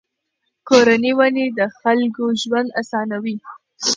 کورني ونې د خلکو ژوند آسانوي.